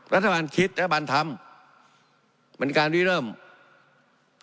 แล้วถ้าบางคนคิดถ้าบางเราทำเป็นการวิรัมตร์